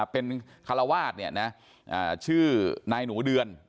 เป็นคารวาสชื่อนายหนูเดือน